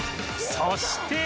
そして